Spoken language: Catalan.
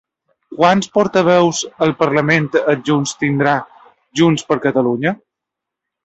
Quants portaveus al parlament adjunts tindrà Junts per Catalunya?